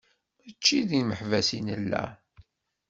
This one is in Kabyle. Mačči d imeḥbas i nella.